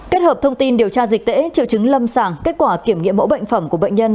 kết hợp thông tin điều tra dịch tễ triệu chứng lâm sàng kết quả kiểm nghiệm mẫu bệnh phẩm của bệnh nhân